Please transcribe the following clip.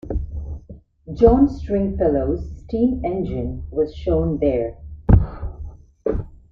John Stringfellow's steam engine was shown there.